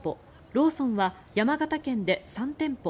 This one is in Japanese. ローソンは山形県で３店舗